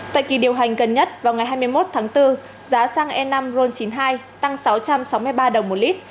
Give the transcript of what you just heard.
tại kỳ điều hành gần nhất vào ngày hai mươi một tháng bốn giá xăng e năm ron chín mươi hai tăng sáu trăm sáu mươi ba đồng một lít